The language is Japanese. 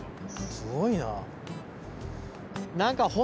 すごいな。